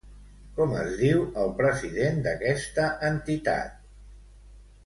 Com es diu el president d'aquesta entitat?